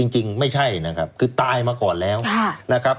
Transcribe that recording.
จริงไม่ใช่นะครับคือตายมาก่อนแล้วนะครับ